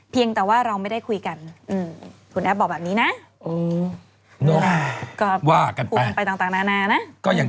เปียกขาวหมดเลย